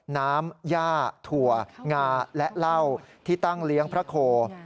น้ำย่าถั่วงาและเหล้าที่ตั้งเลี้ยงพระโค